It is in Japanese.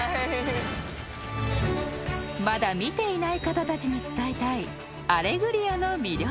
［まだ見ていない方たちに伝えたい『アレグリア』の魅力］